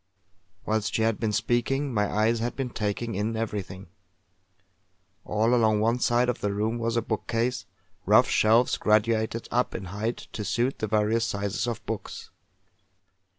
Whilst she had been speaking, my eyes had been taking in everything. All along one side of the room was a bookcase, rough shelves graduated up in height to suit the various sizes of books.